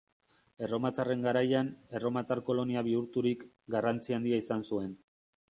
Erromatarren garaian, erromatar kolonia bihurturik, garrantzi handia izan zuen.